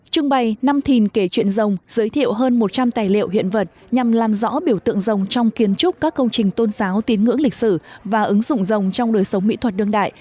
trưng bày năm thìn kể chuyện rồng giới thiệu hơn một trăm linh tài liệu hiện vật nhằm làm rõ biểu tượng dòng trong kiến trúc các công trình tôn giáo tín ngưỡng lịch sử và ứng dụng rồng trong đời sống mỹ thuật đương đại